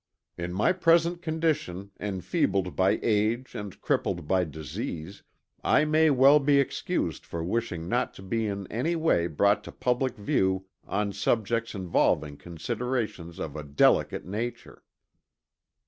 In my present condition enfeebled by age and crippled by disease, I may well be excused for wishing not to be in any way brought to public view on subjects involving considerations of a delicate nature."